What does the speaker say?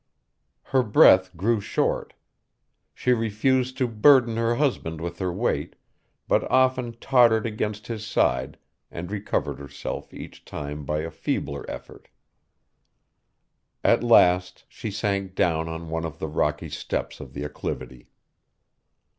Her breath grew short. She refused to burden her husband with her weight, but often tottered against his side, and recovered herself each time by a feebler effort. At last, she sank down on one of the rocky steps of the acclivity.